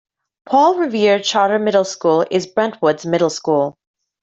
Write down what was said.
Paul Revere Charter Middle School is Brentwood's middle school.